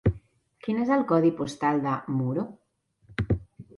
Quin és el codi postal de Muro?